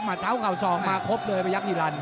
หมาเท้าข่าวสองมาครบเลยไปยักษ์หิรัน